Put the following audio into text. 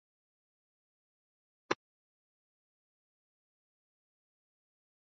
Mkutano wetu huko Marondera ulipigwa marufuku